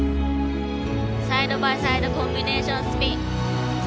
サイド・バイ・サイド・コンビネーションスピン。